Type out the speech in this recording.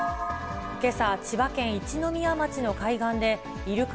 けさ、千葉県一宮町の海岸で、イルカ